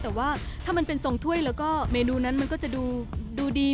แต่ว่าถ้ามันเป็นทรงถ้วยแล้วก็เมนูนั้นมันก็จะดูดี